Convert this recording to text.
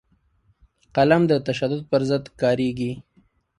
قلم د تشدد پر ضد کارېږي